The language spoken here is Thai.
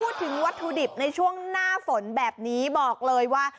พูดถึงวัตถุดิบในช่วงหน้าฝนแบบนี้บอกเลยว่า